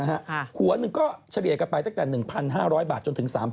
หัวหนึ่งก็เฉลี่ยกันไปตั้งแต่๑๕๐๐บาทจนถึง๓๐๐